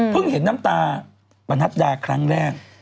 พึ่งเห็นน้ำตาบันทัศน์ดาครั้งแรก